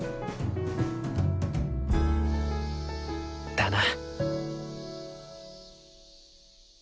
だな。